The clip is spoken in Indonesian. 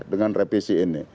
dengan repesi ini